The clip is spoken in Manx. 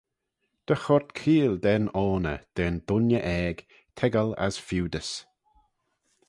Dy choyrt keeayll da'n oney, da'n dooinney aeg, toiggal as feeudys.